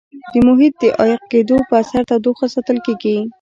د محیط د عایق کېدو په اثر تودوخه ساتل کیږي.